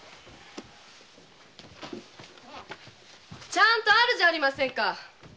ちゃんとあるじゃありませんか！